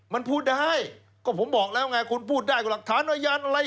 มันพูดได้ก็ผมบอกแล้วไงคุณพูดได้